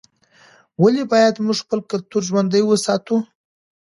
ولې باید موږ خپل کلتور ژوندی وساتو؟